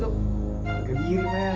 tunggu diri men